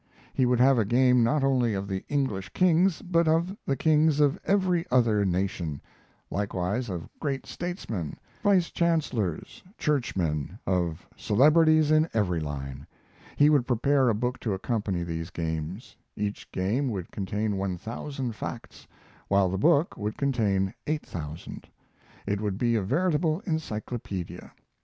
He would have a game not only of the English kings, but of the kings of every other nation; likewise of great statesmen, vice chancellors, churchmen, of celebrities in every line. He would prepare a book to accompany these games. Each game would contain one thousand facts, while the book would contain eight thousand; it would be a veritable encyclopedia.